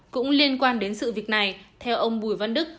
cũng liên quan đến sự việc này theo ông bùi văn đức